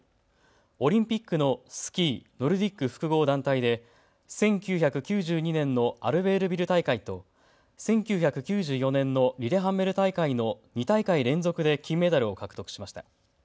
オリンピックのスキーノルディック複合団体で１９９２年のアルベールビル大会と１９９４年のリレハンメル大会の２大会連続で金メダルを獲得しました。